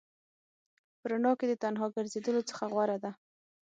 په رڼا کې د تنها ګرځېدلو څخه غوره ده.